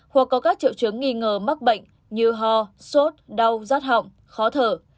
hoặc có các triệu chứng nghi ngờ mắc bệnh như ho sốt đau rót họng khó thở